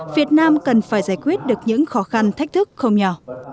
việt nam cần phải giải quyết được những khó khăn thách thức không nhỏ